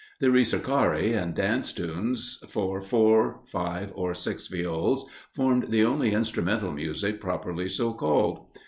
The ricercari and dance tunes for four, five, or six Viols, formed the only instrumental music properly so called.